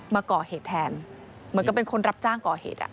มาก่อเหตุแทนเหมือนกับเป็นคนรับจ้างก่อเหตุ